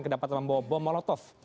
kedapatan membawa bom molotov